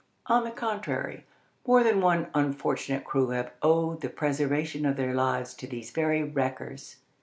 On the contrary, more than one unfortunate crew have owed the preservation of their lives to these very wreckers.